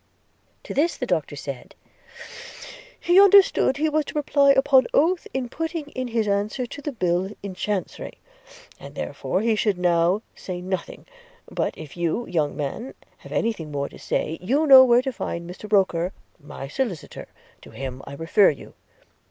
– To this the Doctor said, 'He understood he was to reply upon oath in putting in his answer to the bill in chancery, and therefore he should now say nothing: but if you, young man, have any thing more to say, you know where to find Mr Roker, my solicitor; to him I refer you.